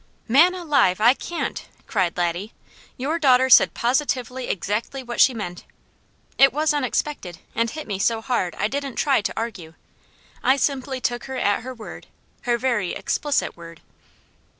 "Man alive! I can't!" cried Laddie. "Your daughter said positively exactly what she meant. It was unexpected and it hit me so hard I didn't try to argue. I simply took her at her word, her very explicit word."